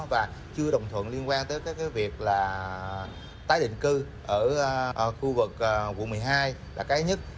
và chưa đồng thuận liên quan tới cái việc là tái định cư ở khu vực quận một mươi hai là cái nhất